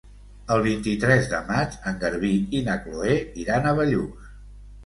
El vint-i-tres de maig en Garbí i na Chloé iran a Bellús.